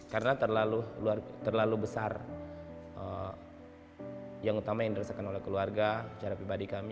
karena terlalu besar yang utama yang dirasakan oleh keluarga secara pribadi kami